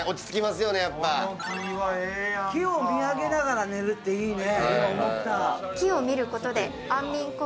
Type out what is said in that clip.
木を見上げながら寝るっていいね。